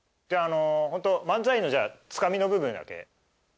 じゃああのホント漫才のつかみの部分だけ。